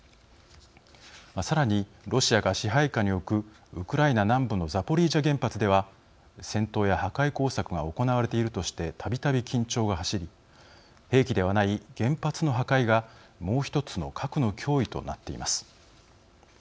さらにロシアが支配下に置くウクライナ南部のザポリージャ原発では戦闘や破壊工作が行われているとしてたびたび緊張が走り兵器ではない原発の破壊がもう１つの核の脅威となっています。